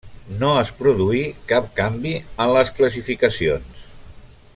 No es produí cap canvi en les classificacions.